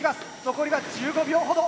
残りは１５秒ほど。